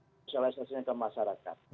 fisialisasinya ke masyarakat